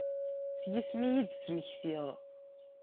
S yisem i yi-d-ttmektiɣ.